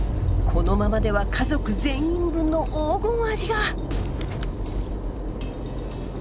このままでは家族全員分の黄金アジが。